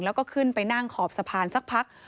แล้วก็ขึ้นไปนั่งขอบสะพานสักพัก